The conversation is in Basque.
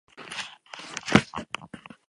Azken laurdenean erabakiko zen guztia.